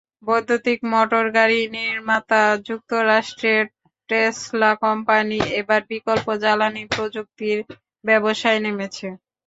বৈদ্যুতিক মোটরগাড়ি নির্মাতা যুক্তরাষ্ট্রের টেসলা কোম্পানি এবার বিকল্প জ্বালানি প্রযুক্তির ব্যবসায় নেমেছে।